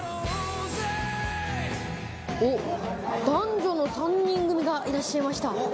男女の３人組がいらっしゃいました。